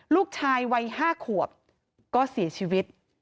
ลูกชายวัย๕ขวบก็เสียชีวิต